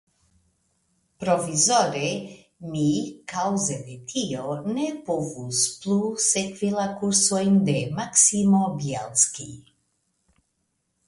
Provizore mi kaŭze de tio ne povus plu sekvi la kursojn de Maksimo Bjelski.